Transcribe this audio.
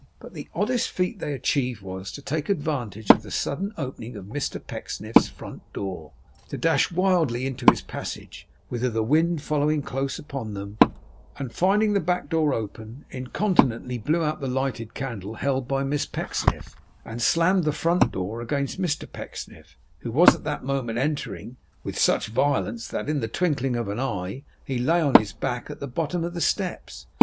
But the oddest feat they achieved was, to take advantage of the sudden opening of Mr Pecksniff's front door, to dash wildly into his passage; whither the wind following close upon them, and finding the back door open, incontinently blew out the lighted candle held by Miss Pecksniff, and slammed the front door against Mr Pecksniff who was at that moment entering, with such violence, that in the twinkling of an eye he lay on his back at the bottom of the steps.